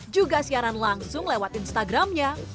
juga siaran langsung lewat instagramnya